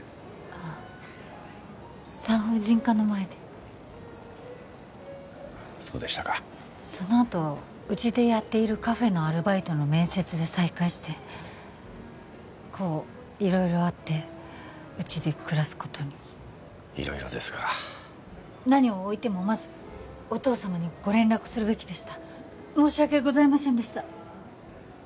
あ産婦人科の前でそうでしたかそのあとうちでやっているカフェのアルバイトの面接で再会してこう色々あってうちで暮らすことに色々ですか何をおいてもまずお父さまにご連絡するべきでした申し訳ございませんでした